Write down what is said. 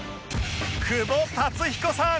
久保竜彦さん